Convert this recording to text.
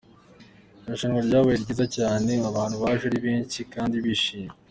Irushanwa ryabaye ryiza cyane, abantu baje ari benshi kandi bishimye.